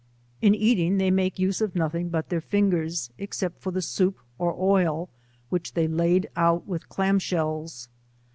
In eating they make use of nothing but their fingers, except for the soup or oil, which they lade out with clam shells.